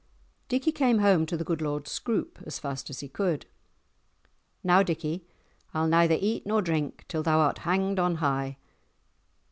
Dickie came home to the good Lord Scroope as fast as he could. "Now, Dickie, I'll neither eat nor drink till thou art hanged on high."